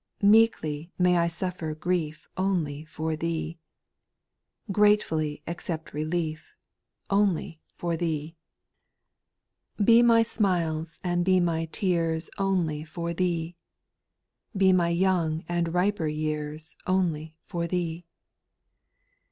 4. Meekly may I suffer grief Only for Thee. Gratefully accept relief Only for Thee. ^ 8« *10 SPIRITUAL SONGS. 5. ' Be my smiles and be my tears Only for Thee. Be my young and riper years Only for Thee.